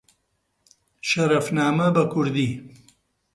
شەرەفنامە بە کوردی